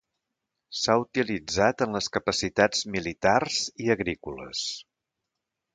S'ha utilitzat en les capacitats militars i agrícoles.